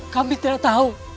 kami tidak tahu